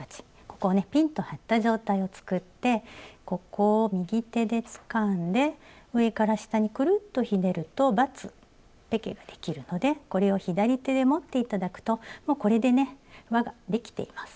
ここをねピンと張った状態を作ってここを右手でつかんで上から下にクルッとひねるとバツペケができるのでこれを左手で持って頂くともうこれでねわができています。